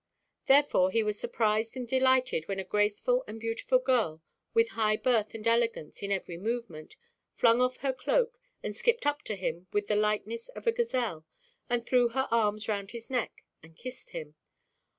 Therefore he was surprised and delighted when a graceful and beautiful girl, with high birth and elegance in every movement, flung off her cloak, and skipped up to him with the lightness of a gazelle, and threw her arms round his neck, and kissed him.